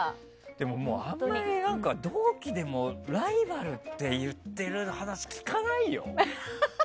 でも、あんなに同期でもライバルって言っている話聞かないよ。